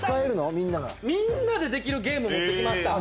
みんながみんなでできるゲーム持ってきました